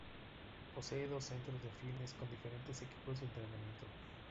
Posee dos centros de fitness con diferentes equipos de entrenamiento.